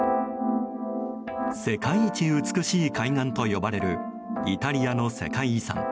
世界一美しい海岸と呼ばれるイタリアの世界遺産